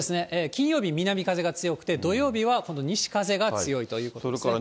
金曜日、南風が強くて、土曜日は今度、西風が強いということですね。